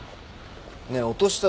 ねえ落としたのはさ